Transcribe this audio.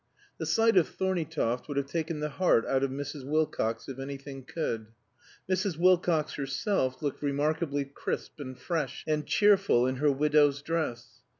The sight of Thorneytoft would have taken the heart out of Mrs. Wilcox if anything could. Mrs. Wilcox herself looked remarkably crisp and fresh and cheerful in her widow's dress.